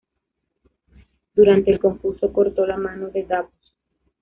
Durante el concurso, cortó la mano de Davos.